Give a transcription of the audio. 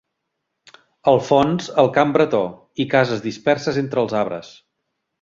Al fons el camp bretó i cases disperses entre els arbres.